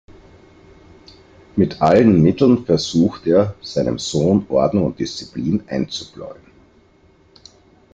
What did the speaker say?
Mit allen Mitteln versucht er, seinem Sohn Ordnung und Disziplin einzubläuen.